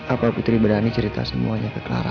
apa putri berani cerita semuanya ke clara